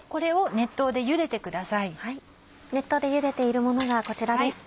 熱湯でゆでているものがこちらです。